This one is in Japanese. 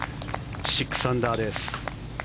６アンダーです。